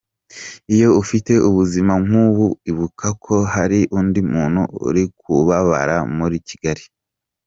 Iyo ufite ubuzima nk’ubu, ibuka ko hari undi muntu uri kubabara muri Kigali.